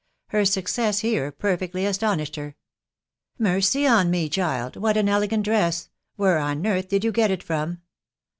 Her success here perfectly astonished her. u Mercy on me, child'! — What asuAegaivt A essl ~ Where *n earth did you get it from